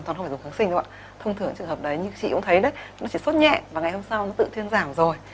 thông thường những trường hợp đấy như chị cũng thấy đấy nó chỉ sốt nhẹ và ngày hôm sau nó tự thương giảm rồi